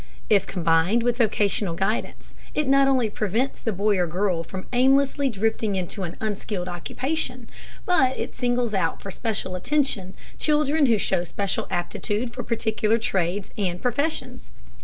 If combined with vocational guidance it not only prevents the boy or girl from aimlessly drifting into an unskilled occupation, but it singles out for special attention children who show special aptitude for particular trades and professions.